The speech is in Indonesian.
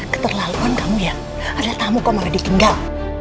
keterlaluan kamu ya ada tamu kau mau ditinggal